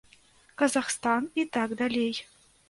Казахстан і так далей.